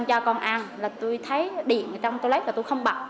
có trẻ nhỏ